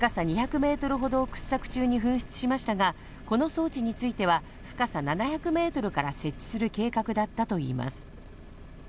蒸気は深さ２００メートルほどを掘削中に噴出しましたが、この装置については、深さ７００メートルから設置する計画だったといいます。